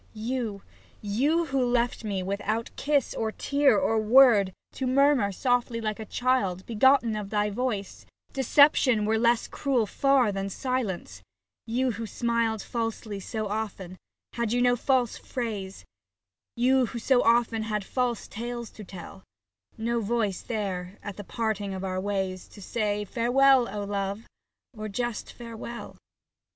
You ! you ! who left me without kiss or tear 67 SAPPHO TO PHAON Or word, to murmur softly like a child Begotten of thy voice, deception were Less cruel far than silence, you who smiled Falsely so often, had you no false phrase — You who so often had false tales to tell — No voice there, at the parting of our ways. To say " Farewell, O Love !" or just " Farewell